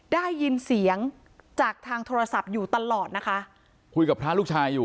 ได้ยินเสียงจากทางโทรศัพท์อยู่ตลอดนะคะคุยกับพระลูกชายอยู่